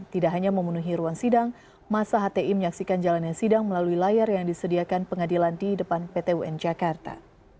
tidak hanya memenuhi ruang sidang masa hti menyaksikan jalannya sidang melalui layar yang disediakan pengadilan di depan pt un jakarta